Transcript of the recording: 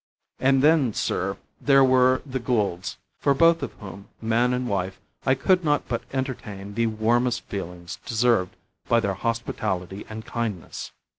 And then, sir, there were the Goulds, for both of whom, man and wife, I could not but entertain the warmest feelings deserved by their hospitality and kindness.